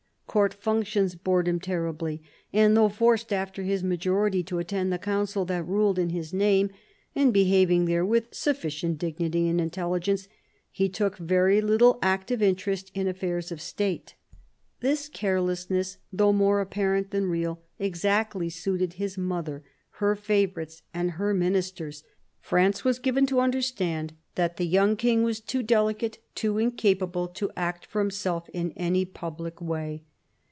Court functions bored him terribly; and though forced, after his majority, to attend the Council that ruled in his name, and behaving there with sufficient dignity and intelligence, he took very little active interest in affairs of State. This carelessness, though more apparent than real, exactly suited his mother, her favourites and her ministers. France was given to understand that the young King was too delicate, too incapable, to act for himself in any public way.